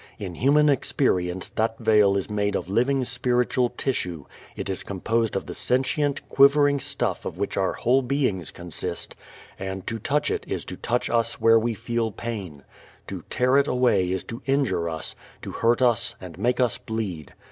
In human experience that veil is made of living spiritual tissue; it is composed of the sentient, quivering stuff of which our whole beings consist, and to touch it is to touch us where we feel pain. To tear it away is to injure us, to hurt us and make us bleed.